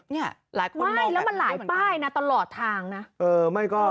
เนี่ยหลายคนมองกันแม่เหมือนกันไม่แล้วมันหลายป้ายตลอดทางนะ